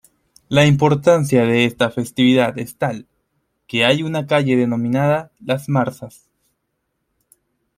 La importancia de esta festividad es tal, que hay una calle denominada Las Marzas.